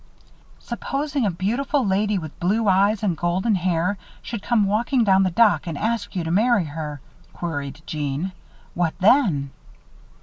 "Supposing a beautiful lady with blue eyes and golden hair should come walking down the dock and ask you to marry her," queried Jeanne. "What then?"